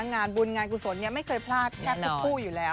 งานบุญงานกุศลไม่เคยพลาดแทบทุกคู่อยู่แล้ว